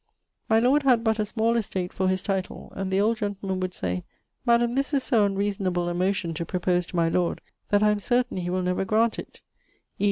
My lord had but a small estate for his title; and the old gentleman would say, 'Madam, this is so unreasonable a motion to propose to my lord, that I am certaine he will never graunt it'; e.